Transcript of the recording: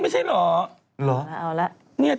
ใช่